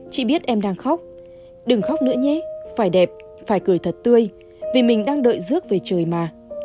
chị biết em đang khóc đừng khóc nữa nhé phải đẹp phải cười thật tươi vì mình đang đợi dước về trời mà